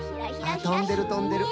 あっとんでるとんでる。